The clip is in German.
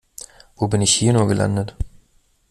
Wo bin ich hier nur gelandet?